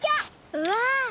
うわ！